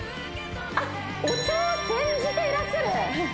あっお茶煎じていらっしゃる！？